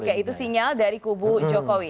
oke itu sinyal dari kubu jokowi